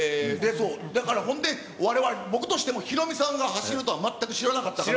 だから、われわれ、僕としてもヒロミさんが走るとは全く知らなかったから。